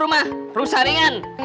satu rumah rusak keras